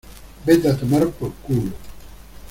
vete a tomar por culo.